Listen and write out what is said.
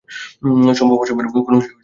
সম্ভব অসম্ভবের কোনো সীমা কোথাও রইল না।